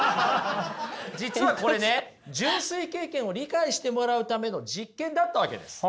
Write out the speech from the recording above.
実はこれね純粋経験を理解してもらうための実験だったわけです。